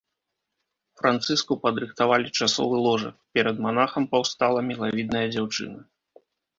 Францыску падрыхтавалі часовы ложак, перад манахам паўстала мілавідная дзяўчына.